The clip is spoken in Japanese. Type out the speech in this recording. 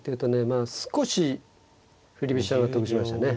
まあ少し振り飛車が得しましたね。